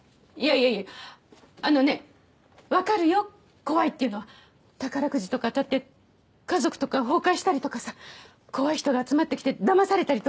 いやいやあのねわかるよ怖いっていうのは宝くじとか当たって家族とか崩壊したりとかさ怖い人が集まってきてだまされたりとか？